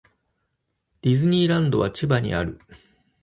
ディズニーランドは千葉にある